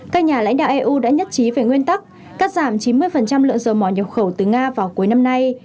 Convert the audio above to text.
các nhà lãnh đạo eu đã nhất trí về nguyên tắc cắt giảm chín mươi lượng dầu mỏ nhập khẩu từ nga vào cuối năm nay